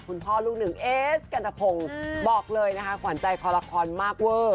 คุณพ่อลูกหนึ่งเอสกันทะพงศ์บอกเลยนะคะขวัญใจคอละครมากเวอร์